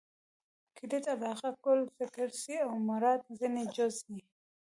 کلیت علاقه؛ کل ذکر سي او مراد ځني جز يي.